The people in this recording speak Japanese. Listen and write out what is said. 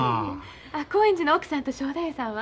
興園寺の奥さんと正太夫さんは？